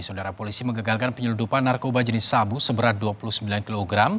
saudara polisi mengagalkan penyeludupan narkoba jenis sabu seberat dua puluh sembilan kg